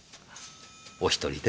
お一人で？